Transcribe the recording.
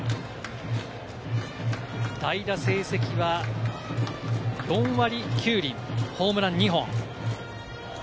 代打成績は４割９厘、ホームラン２本。